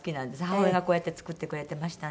母親がこうやって作ってくれてましたんで。